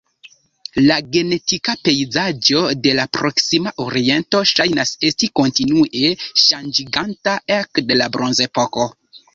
La genetika pejzaĝo de la Proksima Oriento ŝajnas esti kontinue ŝanĝiĝanta ekde la Bronzepoko.